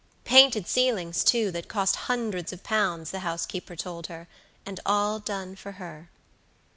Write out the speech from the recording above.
Painted ceilings, too, that cost hundreds of pounds, the housekeeper told her, and all done for her."